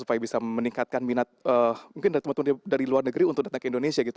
supaya bisa meningkatkan minat mungkin dari teman teman dari luar negeri untuk datang ke indonesia gitu